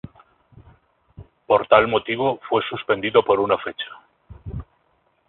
Por tal motivo fue suspendido por una fecha.